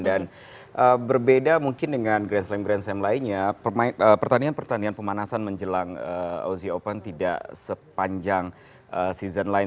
dan berbeda mungkin dengan grand slam grand slam lainnya pertanian pertanian pemanasan menjelang aussie open tidak sepanjang season line